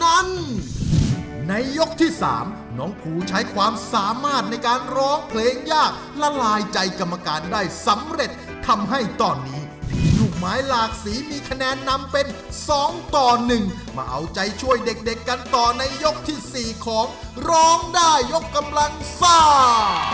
ในยกที่๓น้องภูใช้ความสามารถในการร้องเพลงยากละลายใจกรรมการได้สำเร็จทำให้ตอนนี้มีลูกไม้หลากสีมีคะแนนนำเป็น๒ต่อ๑มาเอาใจช่วยเด็กกันต่อในยกที่๔ของร้องได้ยกกำลังซ่า